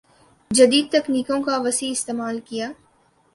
جدید تکنیکوں کا وسیع استعمال کِیا